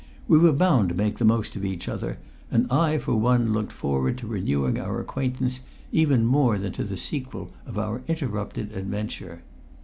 We were bound to make the most of each other, and I for one looked forward to renewing our acquaintance even more than to the sequel of our interrupted adventure.